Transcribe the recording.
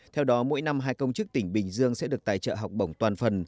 theo đó mỗi năm hai công chức tỉnh bình dương sẽ được tài trợ học bổng toàn phần